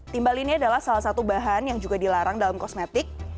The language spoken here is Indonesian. timbal ini adalah salah satu bahan yang juga dilarang dalam kosmetik